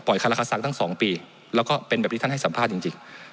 ปล่อยคาราคาศักดิ์ตั้ง๒ปีแล้วก็เป็นแบบนี้ท่านให้สัมภาษณ์จริง